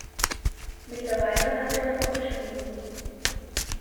Mittlerweile hat er das unterschrieben.